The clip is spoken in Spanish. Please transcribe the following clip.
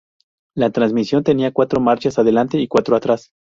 La transmisión tenía cuatro marchas adelante y cuatro atrás.